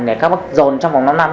để các bác dồn trong vòng năm năm